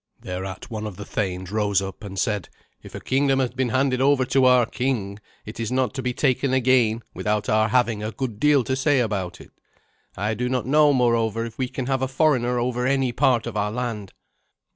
Thereat one of the thanes rose up and said, "If a kingdom has been handed over to our king, it is not to be taken again without our having a good deal to say about it. I do not know, moreover, if we can have a foreigner over any part of our land."